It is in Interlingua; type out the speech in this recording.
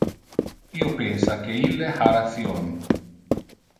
Io pensa que ille ha ration.